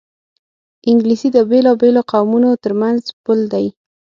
انګلیسي د بېلابېلو قومونو ترمنځ پُل دی